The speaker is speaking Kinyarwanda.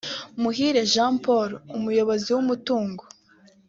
Muhire Jean Paul (Umuyobozi w’umutungo)